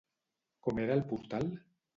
Com era el portal?